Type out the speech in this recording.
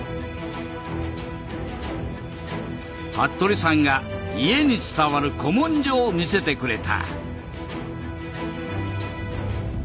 服部さんが家に伝わる古文書を見せてくれた。